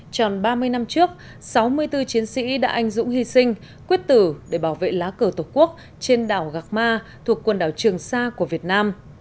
tròn ba mươi năm trước sáu mươi bốn chiến sĩ đã anh dũng hy sinh quyết tử để bảo vệ lá cờ tổ quốc trên đảo gạc ma thuộc quần đảo trường sa của việt nam